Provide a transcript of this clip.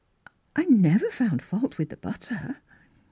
I — never found fault with the butter."